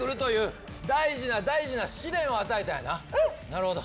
なるほど。